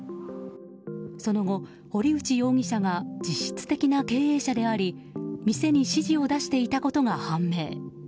その後、堀内容疑者が実質的な経営者であり店に指示を出していたことが判明。